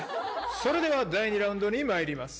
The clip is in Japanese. それでは第２ラウンドにまいりましょう。